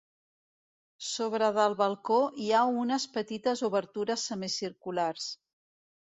Sobre del balcó hi ha unes petites obertures semicirculars.